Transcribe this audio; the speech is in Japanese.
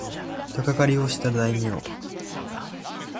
鷹狩をした大名